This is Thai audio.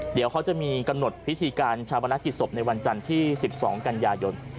เดี๋ยวเขาจะมีกำหนดพิธีการชาวประนักกิจศพในวันจันทร์ที่๑๒กันยายน